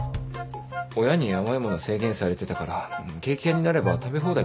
親に甘い物制限されてたからケーキ屋になれば食べ放題かと思って。